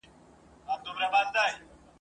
آیا ملالي لنډۍ وویله؟